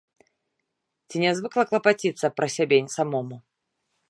Ці нязвыкла клапаціцца пра сябе самому?